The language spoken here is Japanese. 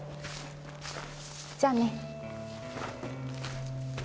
じゃあね。